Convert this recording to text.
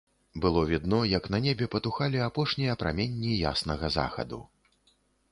Было відно, як на небе патухалі апошнія праменні яснага захаду.